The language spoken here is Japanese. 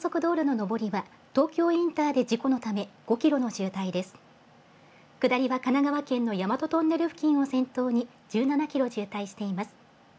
下りは神奈川県の大和トンネル付近を先頭に１７キロ渋滞しています。